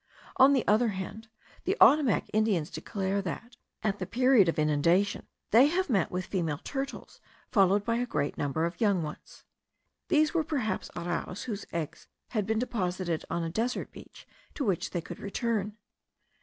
On the other hand, the Ottomac Indians declare that, at the period of inundation, they have met with female turtles followed by a great number of young ones. These were perhaps arraus whose eggs had been deposited on a desert beach to which they could return.